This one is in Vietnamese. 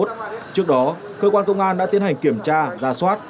trước đó cơ quan công an đã tiến hành kiểm tra ra soát